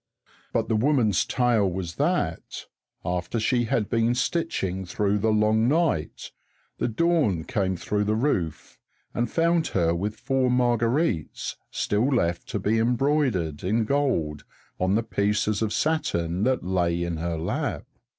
But the woman's tale was that, after she had been stitching through the long night, the dawn came through the roof and found her with four marguerites still left to be embroidered in gold on the pieces of satin that lay in her lap.